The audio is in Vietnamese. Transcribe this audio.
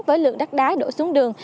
với lượng đắt đá đổ xuống đường